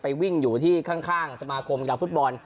วิ่งอยู่ที่ข้างสมาคมกีฬาฟุตบอล